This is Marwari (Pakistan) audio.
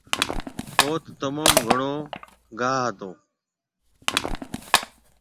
اوٿ تموم گھڻو گاھا ھتو۔